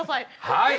はい！